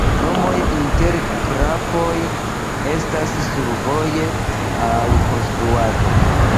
Nomoj inter krampoj estas survoje al konstruado.